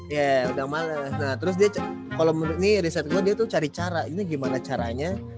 iya udah males nah terus dia kalo menurut nih reset gue dia tuh cari cara ini gimana caranya